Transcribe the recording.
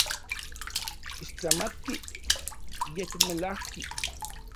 Ixtlamatki, yekmelajki.